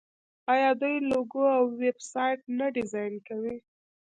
آیا دوی لوګو او ویب سایټ نه ډیزاین کوي؟